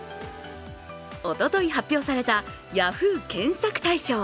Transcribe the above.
おととい発表されたＹａｈｏｏ！検索大賞。